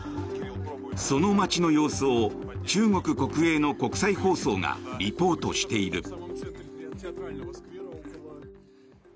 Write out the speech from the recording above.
その街の様子を中国国営の国際放送がリポートしている。